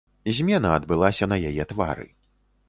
Змена адбылася на яе твары.